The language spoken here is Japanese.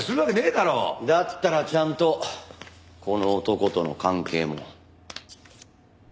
だったらちゃんとこの男との関係も。